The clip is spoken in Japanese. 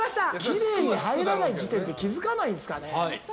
きれいに入らない時点で気づかないんですかね。